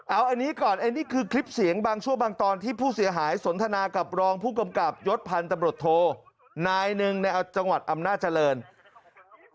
เอาอันนี้ก่อนอันนี้คือคลิปเสียงบางช่วงบางตอนที่ผู้เสียหายสนทนากับรองผู้กำกับยศพันธุ์ตำรวจโทนายหนึ่งในจังหวัดอำนาจริง